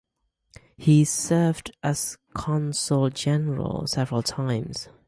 He served as Consul General several times.